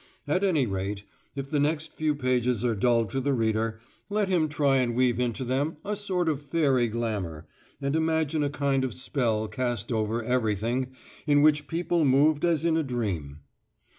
At any rate, if the next few pages are dull to the reader, let him try and weave into them a sort of fairy glamour, and imagine a kind of spell cast over everything in which people moved as in a dream.